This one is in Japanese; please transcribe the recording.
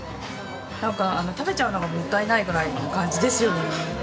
なんか食べちゃうのがもったないぐらいの感じですよね。